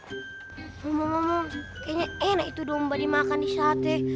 omong omong kayaknya enak itu domba dimakan di sate